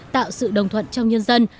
tạo sự đồng thuận trong nhân dân